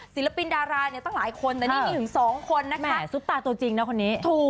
ศิลปินดาราเนี่ยตั้งหลายคนแต่นี่มีถึงสองคนนะคะซุปตาตัวจริงนะคนนี้ถูก